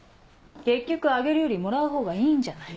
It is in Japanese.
結局あげるよりもらうほうがいいんじゃない。